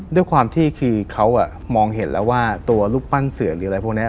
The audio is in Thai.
ด้วยความที่คือเขามองเห็นแล้วว่าตัวรูปปั้นเสือหรืออะไรพวกนี้